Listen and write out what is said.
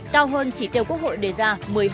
cao hơn chỉ tiêu quốc hội đề ra một mươi hai năm mươi tám